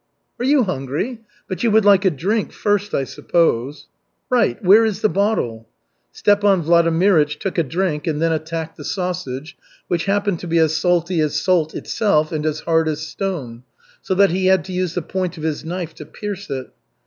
"Are you hungry? But you would like a drink first, I suppose." "Right. Where is the bottle?" Stepan Vladimirych took a drink, and then attacked the sausage, which happened to be as salty as salt itself and as hard as stone, so that he had to use the point of his knife to pierce it.